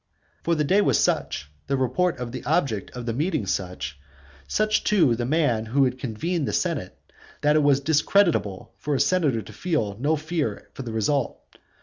For the day was such, the report of the object of the meeting such, such too the man who had convened the senate, that it was discreditable for a senate to feel no fear for the result.